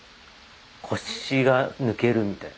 腰が抜けるみたいな。